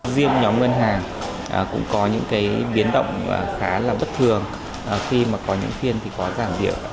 riêng nhóm ngân hàng cũng có những biến động khá là bất thường khi mà có những phiên thì có giảm điểm